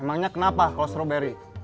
emangnya kenapa kalau strawberry